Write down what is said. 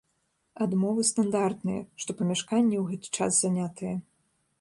Адмовы стандартныя, што памяшканне ў гэты час занятае.